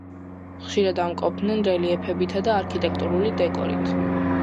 ხშირად ამკობდნენ რელიეფებითა და არქიტექტურული დეკორით.